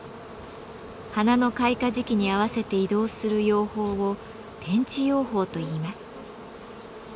花の開花時期に合わせて移動する養蜂を「転地養蜂」といいます。